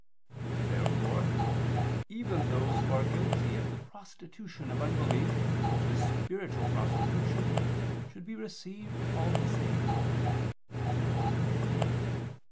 Therefore even those who are guilty of the prostitution of unbelief which is spiritual prostitution, should be received all the same.